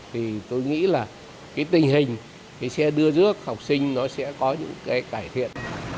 thì tôi nghĩ là tình hình xe đưa đước học sinh sẽ có những cải thiện